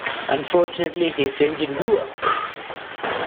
Unfortunately his engine blew up.